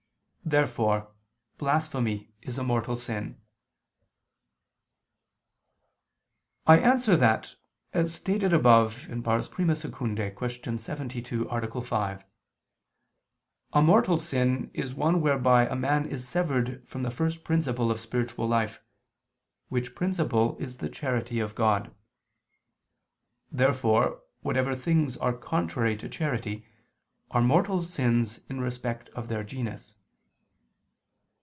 Therefore blasphemy is a mortal sin. I answer that, As stated above (I II, Q. 72, A. 5), a mortal sin is one whereby a man is severed from the first principle of spiritual life, which principle is the charity of God. Therefore whatever things are contrary to charity, are mortal sins in respect of their genus.